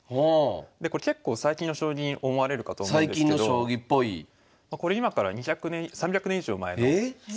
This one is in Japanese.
これ結構最近の将棋に思われるかと思うんですけどこれ今から江戸時代からあったんすか？